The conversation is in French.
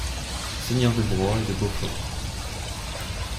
Seigneur de Broyes et de Beaufort.